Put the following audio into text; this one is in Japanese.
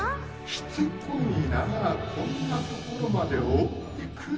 しつこいなあこんなところまで追ってくるなよ。